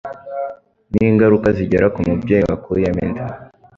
n'ingaruka zigera ku mubyeyi wakuyemo inda